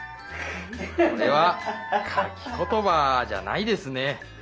これはかきことばじゃないですね。